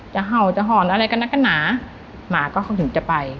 จะเห่าจะหอนอะไรกันนะก็หนาหมาก็ถึงจะไป